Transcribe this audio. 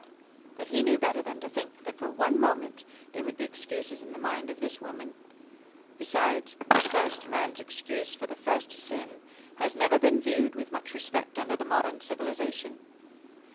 But he knew better than to think that for one moment they would be excuses in the mind of this woman. Besides, the first man's excuse for the first sin has never been viewed with much respect under the modern civilization.